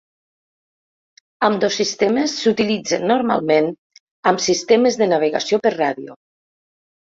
Ambdós sistemes s'utilitzen normalment amb sistemes de navegació per ràdio.